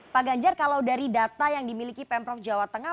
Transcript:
pak ganjar kalau dari data yang dimiliki pemprov jawa tengah